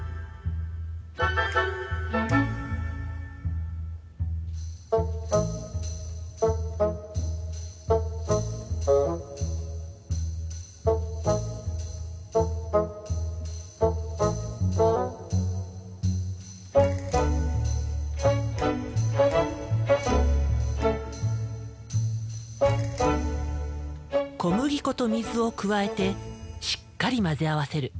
小麦粉と水を加えてしっかり混ぜ合わせる。